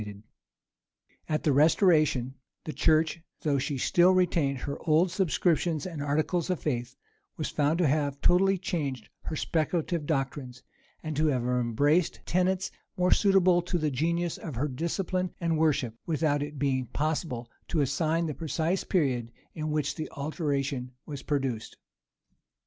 And at the restoration, the church, though she still retained her old subscriptions and articles of faith, was found to have totally changed her speculative doctrines, and to have embraced tenets more suitable to the genius of her discipline and worship, without its being possible to assign the precise period in which the alteration was produced.